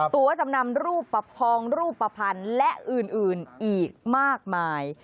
ตัวจำนำรูปทองรูปภัณฑ์และอื่นอีกมากมาย